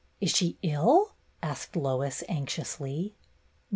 Is she ill?" asked Lois, anxiously.